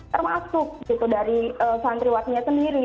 termasuk gitu dari santriwatinya sendiri